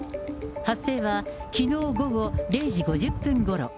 発生はきのう午後０時５０分ごろ。